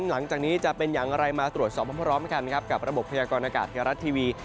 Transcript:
หลังจากนี้จะเป็นอย่างไรมาตรวจสอบพร้อมกับระบบพยาควรอากาศธรรัฐทีวี